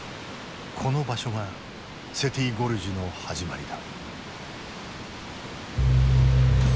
この場所がセティ・ゴルジュの始まりだ。